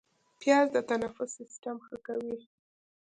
پیاز د تنفس سیستم ښه کوي